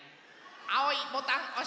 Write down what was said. あおいボタンおして。